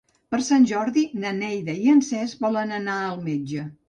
Per Sant Jordi na Neida i en Cesc volen anar al metge.